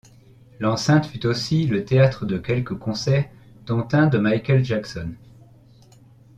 L’enceinte fut aussi le théâtre de quelques concerts dont un de Michael Jackson.